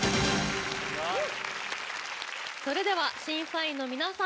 それでは審査員の皆さん